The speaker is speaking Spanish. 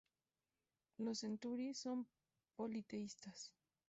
Los centauri son politeístas.